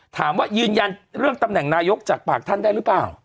ถามว่ายืนยันเรื่องตำแหน่งนายกจากปากท่านได้หรือเปล่า